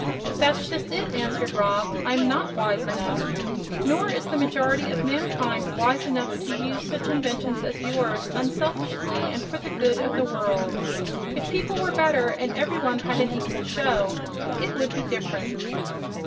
"That's just it," answered Rob. "I'm NOT wise enough. Nor is the majority of mankind wise enough to use such inventions as yours unselfishly and for the good of the world. If people were better, and every one had an equal show, it would be different."